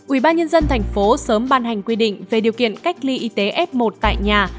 ubnd tp sớm ban hành quy định về điều kiện cách ly y tế f một tại nhà